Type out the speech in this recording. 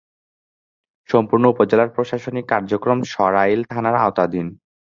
সম্পূর্ণ উপজেলার প্রশাসনিক কার্যক্রম সরাইল থানার আওতাধীন।